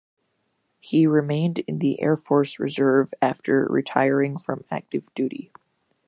He remained in the Air Force Reserve after retiring from active duty.